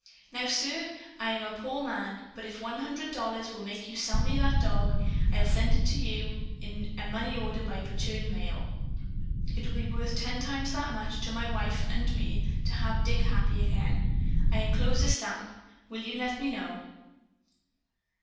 Now, sir, I am a poor man, but if one hundred dollars will make you sell me that dog, I'll send it to you in a money order by return mail. It will be worth ten times that much, to my wife and me, to have Dick happy again. I inclose a stamp. Will you let me know?"